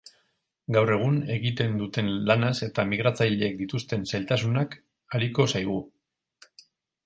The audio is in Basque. Gaur egun egiten duten lanaz eta migratzaileek dituzten zailtasunak ariko zaigu.